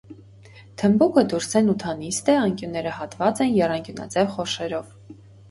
Թմբուկը դուրսէն ութանիստ է, անկիւնները հատուած են եռանկիւնաձև խորշերով։